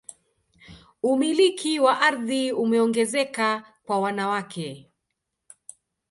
umiliki wa ardhi umeongezeka kwa wanawake